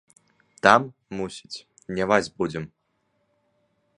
Там, мусіць, дняваць будзем.